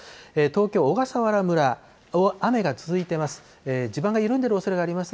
東京・小笠原村、雨が続いてます。